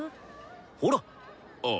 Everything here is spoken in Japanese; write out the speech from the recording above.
ほら。ああ。